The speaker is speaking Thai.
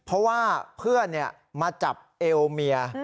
เพราะว่าเพื่อนมาจับเอวเมีย